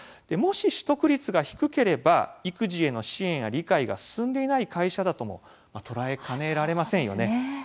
もし取得率が低ければ育児への支援や理解が進んでいない会社だとも捉えかねられませんよね。